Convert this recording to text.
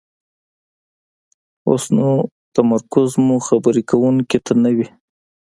اوسو نو تمرکز مو خبرې کوونکي ته نه وي،